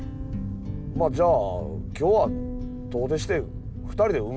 まあじゃあ今日は遠出して２人で海行くか。